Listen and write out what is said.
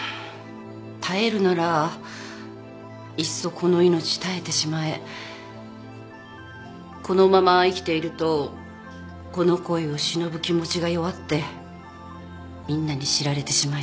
絶えるならいっそこの命絶えてしまえこのまま生きているとこの恋を忍ぶ気持ちが弱ってみんなに知られてしまいそうだから。